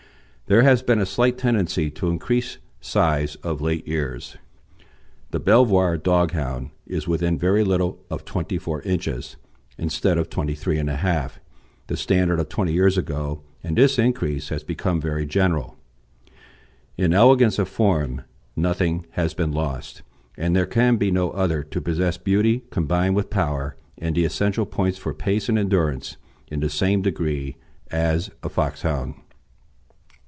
There has been a slight tendency to increase size of late years. The Belvoir dog hound is within very little of 24 inches instead of 23 1/2, the standard of twenty years ago, and this increase has become very general. In elegance of form nothing has been lost, and there can be no other to possess beauty combined with power and the essential points for pace and endurance in the same degree as a Foxhound.